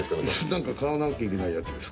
何か買わなきゃいけないやつです。